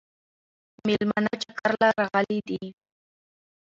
مېلمانه چکر له راغلي دي